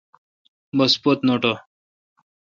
بس پت نوٹہ۔